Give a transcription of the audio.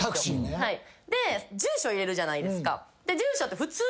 住所入れるじゃないですか。